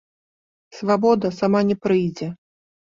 Свабода сама не прыйдзе.